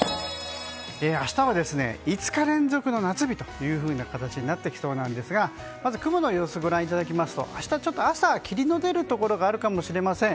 明日は５日連続の夏日という形になってきそうなんですが、まず雲の様子をご覧いただきますと明日朝、霧の出るところがあるかもしれません。